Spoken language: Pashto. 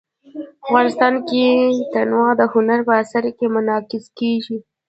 افغانستان کې تنوع د هنر په اثار کې منعکس کېږي.